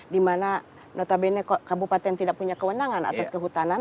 dimana notabene kabupaten tidak punya kewenangan atas kehutanan